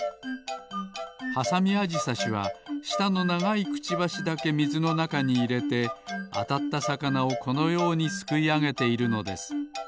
ハサミアジサシはしたのながいクチバシだけみずのなかにいれてあたったさかなをこのようにすくいあげているのです。